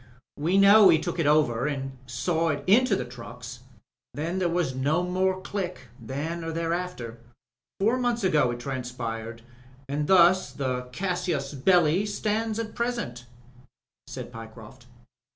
We know he took it over and saw it into the trucks. Then there was no more Click — ^then or thereafter. Four months ago it transpired, and thus the casus belli stands at present/' said Pyecroft.